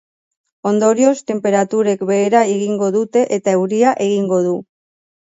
Ondorioz, tenperaturek behera egingo dute, eta euria egingo du.